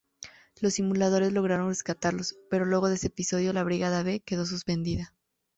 Los simuladores lograron rescatarlos, pero luego de ese episodio la Brigada B quedó suspendida.